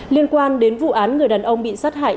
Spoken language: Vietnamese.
liên quan đến vụ án người đàn ông bị sát hại